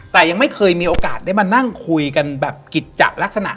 แต่ยังไม่เคยมีโอกาสได้มานั่งคุยกันแบบกิจจะลักษณะ